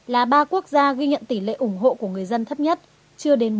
là ba quốc gia ghi nhận tỷ lệ ủng hộ của người dân thấp nhất chưa đến bốn mươi